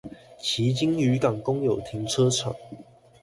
旗津漁港公有停車場